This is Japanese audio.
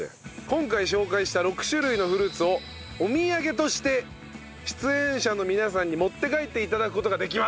今回紹介した６種類のフルーツをお土産として出演者の皆さんに持って帰って頂く事ができます。